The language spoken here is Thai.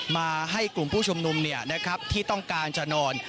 มาให้กลุ่มผู้ชมนุ่มเนี่ยนะครับที่ต้องการจะนอน